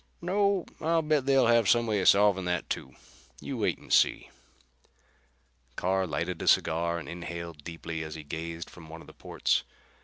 "No, but I'll bet they'll have some way of solving that too. You wait and see." Carr lighted a cigar and inhaled deeply as he gazed from one of the ports.